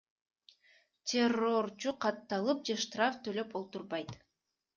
Террорчу катталып же штраф төлөп олтурбайт.